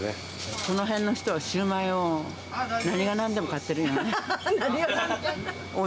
この辺の人はシューマイを何がなんでも買ってるんじゃない？